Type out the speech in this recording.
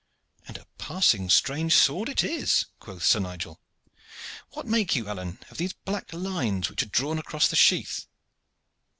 "And a passing strange sword it is," quoth Sir Nigel. "What make you, Alleyne, of these black lines which are drawn across the sheath?"